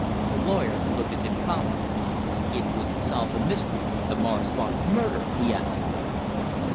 The lawyer looked at him calmly. "It should solve the mystery of Morris Barnes' murder!" he answered.